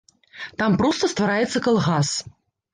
Там проста ствараецца калгас.